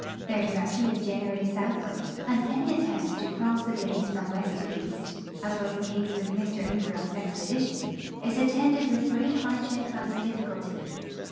Their direction is generally southward, and any attempt to cross the glades from west to east, as was the case with Mr Ingraham's expedition, is attended with great hardship and difficulty.